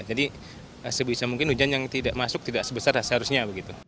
jadi sebesar mungkin hujan yang tidak masuk tidak sebesar seharusnya